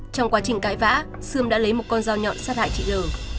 trong quá trình cãi vã sươm đã lấy một con dao nhọn sát hại chị l